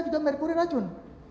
juga merkuri racun